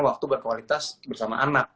waktu berkualitas bersama anak